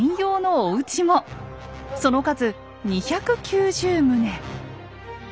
その数２９０棟。